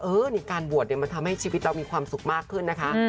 ในการบวชเนี่ยมันทำให้ชีวิตเรามีความสุขมากขึ้นนะคะ